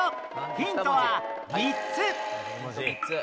ヒントは３つ！